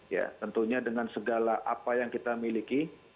ya tentunya dengan segala apa yang kita miliki